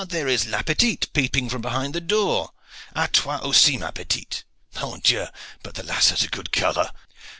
there is la petite peeping from behind the door. A toi, aussi, ma petite! Mon Dieu! but the lass has a good color!"